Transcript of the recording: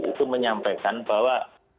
itu menyampaikan bahwa